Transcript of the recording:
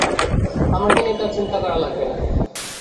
আমাকে নিয়ে তাঁর চিন্তা করা লাগবে না।